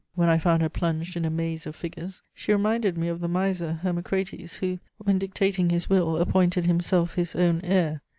When I found her plunged in a maze of figures, she reminded me of the miser Hermocrates, who, when dictating his will, appointed himself his own heir.